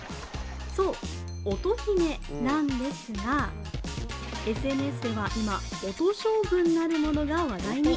そう、音姫なんですがＳＮＳでは音将軍なるものが話題に。